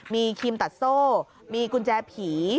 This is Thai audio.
มีครีมตัดโซ่มีกุญแจผี